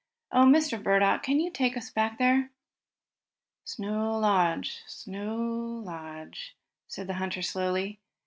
Oh, Mr. Burdock, can you take us back there?" "Snow Lodge Snow Lodge," said the hunter slowly.